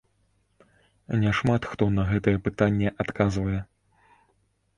Няшмат хто на гэтае пытанне адказвае.